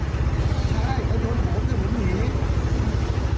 ใช่เขาโดนผมก็หนี